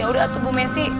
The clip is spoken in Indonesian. ya udah tuh bu messi